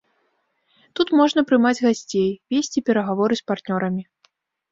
Тут можна прымаць гасцей, весці перагаворы з партнёрамі.